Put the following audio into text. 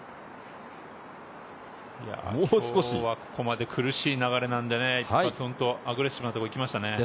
もう少し、今日はここまで苦しい流れなので、アグレッシブにきましたね。